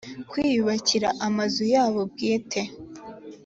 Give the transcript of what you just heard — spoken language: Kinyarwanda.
kwiyubakira amazu yabo bwite